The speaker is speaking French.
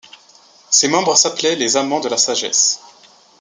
Ses membres s'appelaient les amants de la sagesse.